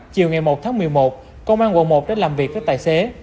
chiều ngày một tháng một mươi một công an quận một đã làm việc với tài xế